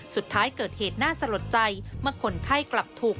สุดท้ายเกิดเหตุน่าสลดใจเมื่อคนไข้กลับถูก